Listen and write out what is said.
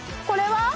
これは？